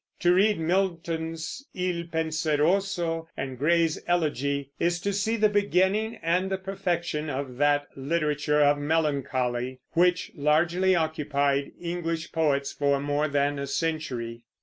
To read Milton's "Il Penseroso" and Gray's "Elegy" is to see the beginning and the perfection of that "literature of melancholy" which largely occupied English poets for more than a century.